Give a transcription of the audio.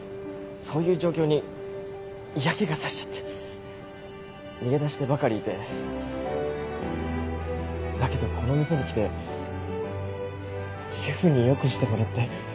そういう状況に嫌気が差しちゃって逃げ出してばかりいて。だけどこの店に来てシェフに良くしてもらって。